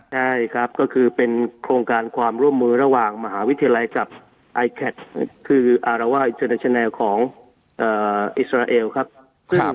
ใช่ครับก็คือเป็นโครงการความร่วมมือระหว่างมหาวิทยาลัยกับคือของเอ่ออิสราเอลครับครับ